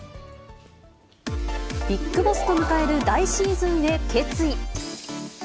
ビッグボスと迎える来シーズンへ決意。